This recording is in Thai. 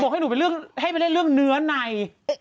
บอกให้หนูไปเล่นเรื่องเนื้อใน